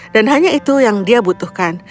dan hanya itu yang dia butuhkan